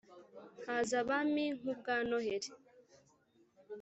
haza abami nk’ubwa noheli